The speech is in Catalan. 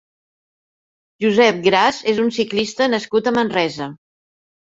Josep Gras és un ciclista nascut a Manresa.